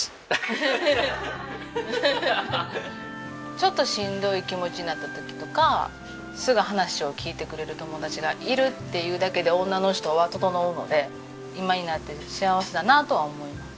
ちょっとしんどい気持ちになった時とかすぐ話を聞いてくれる友達がいるっていうだけで女の人は整うので今になって幸せだなとは思います。